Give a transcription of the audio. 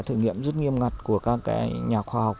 thử nghiệm rất nghiêm ngặt của các nhà khoa học